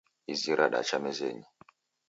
Izi radacha mezenyi